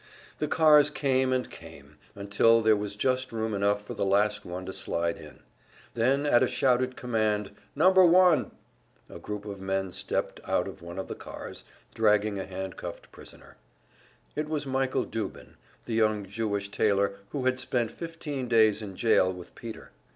The cars came and came, until there was just room enough for the last one to slide in. Then at a shouted command, "Number one!" a group of men stepped out of one of the cars, dragging a handcuffed prisoner. It was Michael Dubin, the young Jewish tailor who had spent fifteen days in jail with Peter.